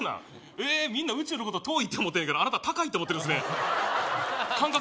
へえみんな宇宙のこと遠いって思ってんねんけどあなた高いって思ってるんすね感覚